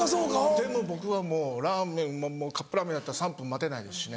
でも僕はラーメンもカップラーメンだったら３分待てないですしね。